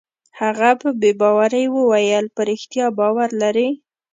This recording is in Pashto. هغه په بې باورۍ وویل: په رښتیا باور لرې؟